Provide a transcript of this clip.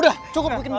udah cukup bikin